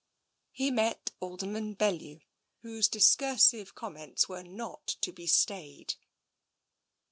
He met Alderman Bellew, whose discursive com ments were not to be stayed.